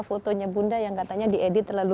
fotonya bunda yang katanya di edit terlalu